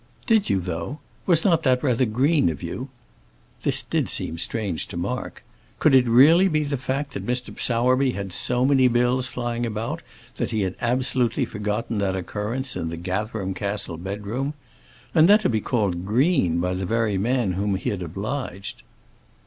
"Did you, though? Was not that rather green of you?" This did seem strange to Mark. Could it really be the fact that Mr. Sowerby had so many bills flying about that he had absolutely forgotten that occurrence in the Gatherum Castle bedroom? And then to be called green by the very man whom he had obliged!